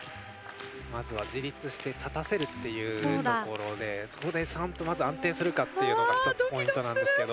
まずは自立して立たせるっていうところでそこでちゃんとまず安定するかっていうのが１つポイントなんですけど。